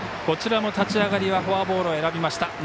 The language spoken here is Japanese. こちらも立ち上がりはフォアボールを選びました。